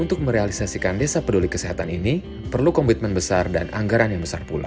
untuk merealisasikan desa peduli kesehatan ini perlu komitmen besar dan anggaran yang besar pula